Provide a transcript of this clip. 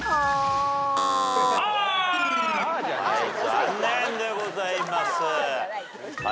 残念でございます。